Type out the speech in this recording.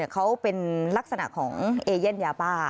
เขาเป็นลักษณะของเอเย่นยาบ้า